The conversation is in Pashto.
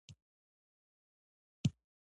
د خوړو خوندیتوب تضمین دی؟